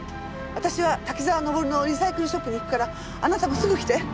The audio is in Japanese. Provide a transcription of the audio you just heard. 私は滝沢登のリサイクルショップに行くからあなたもすぐ来て。